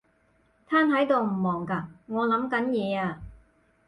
癱喺度唔忙㗎？我諗緊嘢呀